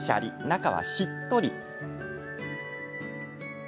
中はしっとり。